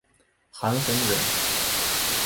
韩弘人。